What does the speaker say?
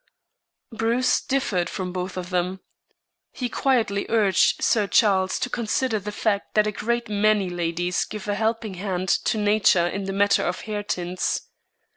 Bruce differed from both of them. He quietly urged Sir Charles to consider the fact that a great many ladies give a helping hand to Nature in the matter of hair tints.